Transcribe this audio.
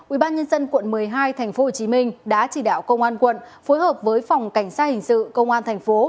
ubnd quận một mươi hai tp hcm đã chỉ đạo công an quận phối hợp với phòng cảnh sát hình sự công an thành phố